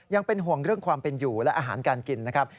ยังเป็นห่วงเรื่องความเป็นอยู่และอาหารการกินนะครับ